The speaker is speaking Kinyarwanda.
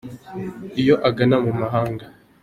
Iyo agana mu mahanga.